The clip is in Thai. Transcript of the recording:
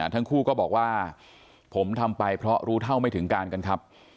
ทั้งคู่ก็บอกว่าผมทำไปเพราะรู้เท่าไม่ถึงการกันครับ